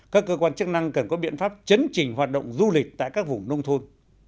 các cơ quan chức năng cần có biện pháp chấn chỉnh hoạt động du lịch tại các vùng nông thôn